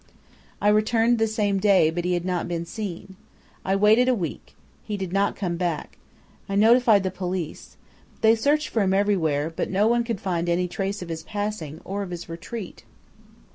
"I returned the same day, but he had not been seen. I waited a week. He did not come back. I notified the police. They searched for him everywhere, but no one could find any trace of his passing or of his retreat.